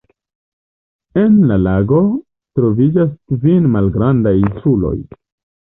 En la lago troviĝas kvin malgrandaj insuloj.